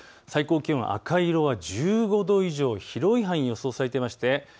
最高気温、赤い色は１５度以上、広い範囲で予想されています。